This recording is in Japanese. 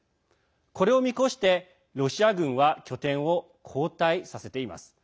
これを見越してロシア軍は拠点を後退させています。